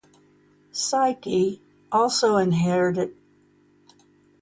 "Psyche" also escorted troop ships heading from New Zealand to the Middle East.